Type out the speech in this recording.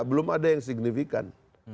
belum ada yang signifikan